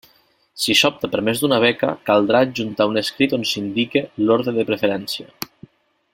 Si s'opta per més d'una beca, caldrà adjuntar un escrit on s'indique l'orde de preferència.